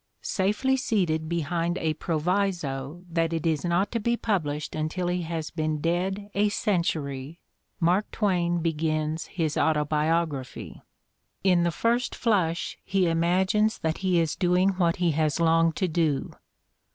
Safely seated behind a proviso that it is not to be published until he has been dead a century, Mark Twain begins his autobiography. In the first flush he imagines that he is doing what he has longed to do.